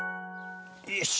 よし。